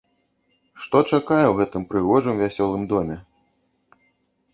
Што чакае ў гэтым прыгожым вясёлым доме?